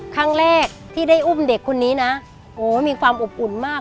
ครั้งแรกที่ได้อุ้มเด็กคนนี้นะโอ้มีความอบอุ่นมาก